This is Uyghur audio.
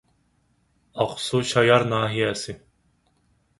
ئاقسۇ شايار ناھىيەسى